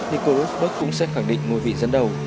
nico rosberg cũng sẽ khẳng định ngôi vị dẫn đầu